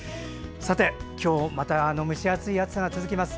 今日また蒸し暑い暑さが続きます。